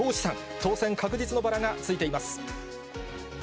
当選確実のバラがついています。